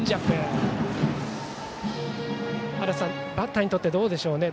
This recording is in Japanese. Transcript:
足達さん、バッターにとってどうでしょうね。